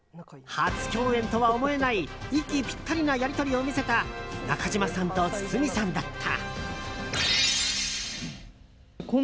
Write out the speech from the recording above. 初共演とは思えない息ぴったりなやり取りを見せた中島さんと堤さんだった。